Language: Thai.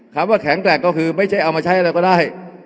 คำว่าแข็งแกร่งก็คือไม่ใช่เอามาใช้อะไรก็ได้